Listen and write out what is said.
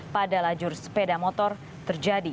pada lajur sepeda motor terjadi